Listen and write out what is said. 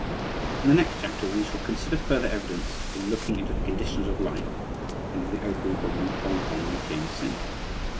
In the next chapter we shall consider further evidence in looking into the conditions of life and of the opium problem at Hongkong and Tientsin.